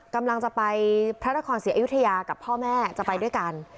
กำลังจะไปพระนครศรีอยุธยากับพ่อแม่จะไปด้วยกัน